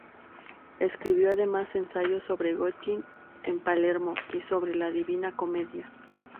Escribió además ensayos sobre Goethe en Palermo, y sobre la "Divina Comedia".